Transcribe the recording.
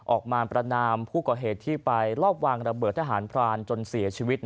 ออกมาประนามผู้ก่อเหตุที่ไปรอบวางระเบิดทหารพรานจนเสียชีวิต